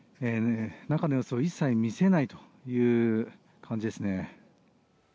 中の様子を一切見せないという感じですね。